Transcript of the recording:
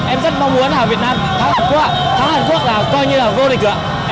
em mong muốn ở việt nam thắng một ạ thắng một là coi như là vô địch ạ